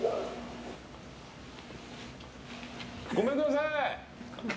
ごめんください！